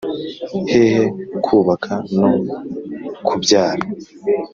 hehe kubaka no kubyara